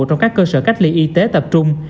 trong các cơ sở cách ly y tế tập trung